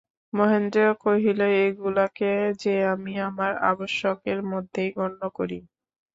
মহেন্দ্র কহিল, ওগুলাকে যে আমি আমার আবশ্যকের মধ্যেই গণ্য করি।